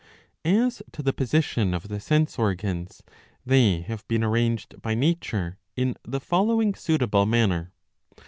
As to the position of the sense organs, they have been arranged by nature in the following suitable manner.